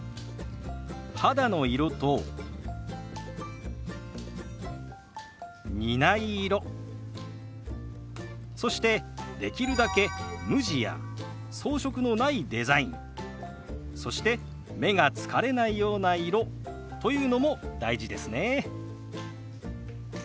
肌の色と似ない色そしてできるだけ無地や装飾のないデザインそして目が疲れないような色というのも大事ですね。